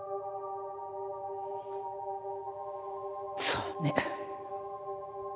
そうね。